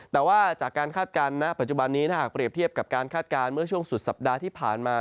ถ้าหากเปรียบเทียบกับการคาดการณ์เมื่อช่วงสุดสัปดาห์ที่ผ่านมา